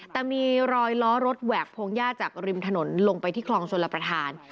แต่มีรอยล้อรถแหวกพงหญ้าจากริมถนนลงไปที่คลองชลประธาน